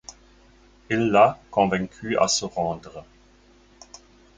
Il l'a convaincu à se rendre.